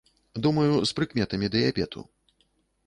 Думаю, з прыкметамі дыябету.